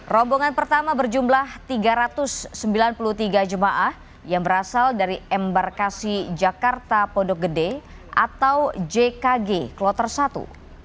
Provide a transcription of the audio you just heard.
rombongan pertama berjumlah tiga ratus sembilan puluh tiga jemaah yang berasal dari embarkasi jakarta pondok gede atau jkg kloter satu